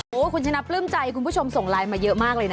คุณชนะปลื้มใจคุณผู้ชมส่งไลน์มาเยอะมากเลยนะ